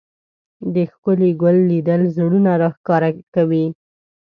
د ښکلي ګل لیدل زړونه راښکاري